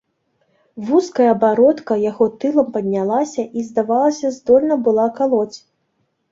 Вузкая бародка яго тылам паднялася і, здавалася, здольна была калоць.